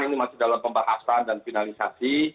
ini masih dalam pembahasan dan finalisasi